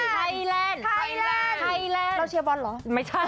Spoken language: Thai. ไทยแลนด์เราเชียร์บอลเหรอไม่ใช่